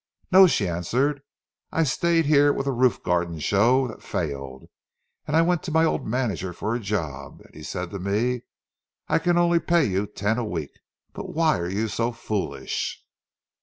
"No," she answered. "I stayed here with a roof garden show that failed. And I went to my old manager for a job, and he said to me, 'I can only pay you ten a week. But why are you so foolish?